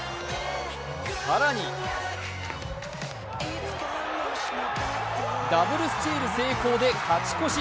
更にダブルスチール成功で勝ち越し。